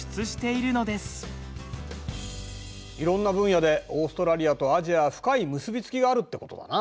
いろんな分野でオーストラリアとアジアは深い結び付きがあるってことだな。